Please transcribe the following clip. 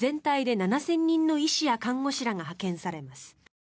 大会には全体で７０００人の医師や看護師らが派遣されます。